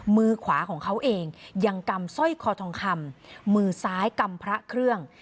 มือขวาของเขาเองยังกำสร้อยคอทองคำมือซ้ายกำพระเครื่อง